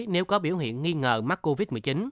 nếu có biểu hiện nghi ngờ mắc covid một mươi chín